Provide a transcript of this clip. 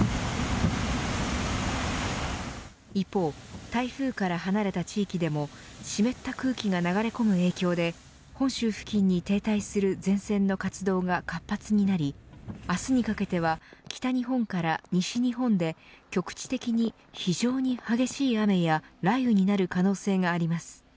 一方、台風から離れた地域でも湿った空気が流れ込む影響で本州付近に停滞する前線の活動が活発になり明日にかけては北日本から西日本で局地的に非常に激しい雨や雷雨になる可能性があります。